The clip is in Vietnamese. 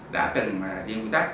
đã từng diêu tác